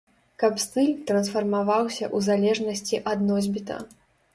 Каб стыль трансфармаваўся у залежнасці ад носьбіта.